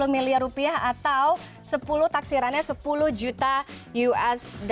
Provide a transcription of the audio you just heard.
satu ratus empat puluh miliar rupiah atau sepuluh taksirannya sepuluh juta usd